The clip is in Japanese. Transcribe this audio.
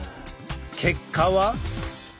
結果は。